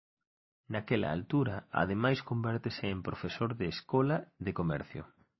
Naquela altura ademais convértese en profesor de escola de Comercio.